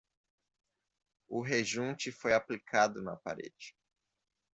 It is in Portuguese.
O rejunte foi aplicado na parede